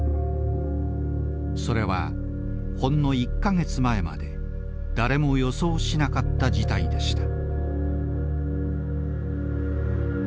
それはほんの１か月前まで誰も予想しなかった事態でした。